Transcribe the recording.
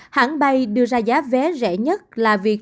hãng bay đưa ra giá vé rẻ nhất là việc